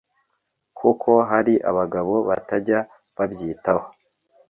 kuko hari abagabo batajya babyitaho.